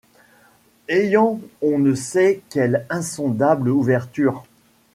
Ayant on ne sait quelle insondable ouverture